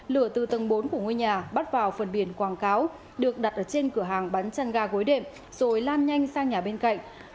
lửa từ tầng bốn của ngôi nhà bắt vào phần biển quảng cáo được đặt ở trên cửa hàng bắn chăn ga gối đệm rồi lan nhanh sang nhà bên cạnh